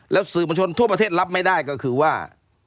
แล้วสื่อมวลชนทั่วประเทศรับไม่ได้ก็คือว่า